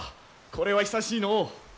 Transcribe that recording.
これは久しいのう。